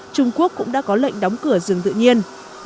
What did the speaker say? trung quốc cũng đã có lệnh đóng cửa rừng tự nhiên